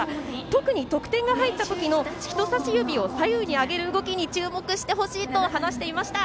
特に得点が入ったときの人さし指を左右にあげる動きに注目してほしいと話していました。